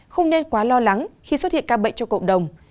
không nên quá lo lắng khi xuất hiện ca bệnh cho cộng đồng